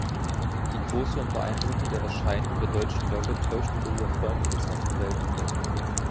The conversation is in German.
Die große und beeindruckende Erscheinung der Deutschen Dogge täuscht über ihr freundliches Naturell hinweg.